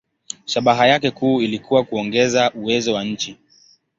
Shabaha yake kuu ilikuwa kuongeza uwezo wa nchi.